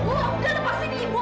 udah lepasin ibu